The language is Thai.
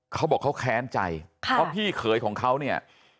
เขาบอกเขาแค้นใจเพราะพี่เขยของเขาเนี่ย